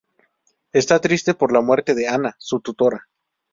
Está triste por la muerte de Anna, su tutora.